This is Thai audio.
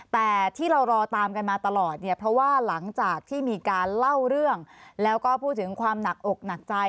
แต่ที่เรารอตามกันมาตลอดเนี่ยเพราะว่าหลังจากที่มีการเล่าเรื่องแล้วก็พูดถึงความหนักอกหนักใจ